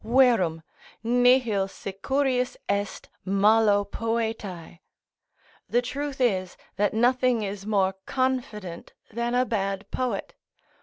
"Verum Nihil securius est malo poetae." ["The truth is, that nothing is more confident than a bad poet."